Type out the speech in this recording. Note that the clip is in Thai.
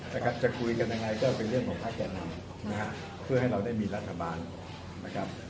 นะครับจะคุยกันยังไงก็เป็นเรื่องของภาคแก่นำนะฮะเพื่อให้เราได้มีรัฐบาลนะครับ